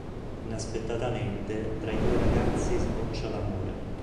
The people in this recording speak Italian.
Inaspettatamente tra i due ragazzi sboccia l'amore.